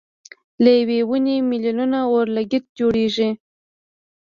له یوې ونې مېلیونه اورلګیت جوړېږي.